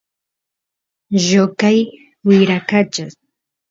lloqay wyrakachas